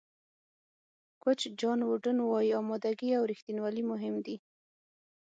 کوچ جان ووډن وایي آمادګي او رښتینولي مهم دي.